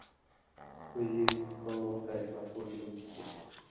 ݜُو ژیب کؤں وخ ہریۡ محفوظ ہُوندیۡ کھیں